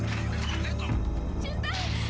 mas dimana kita mas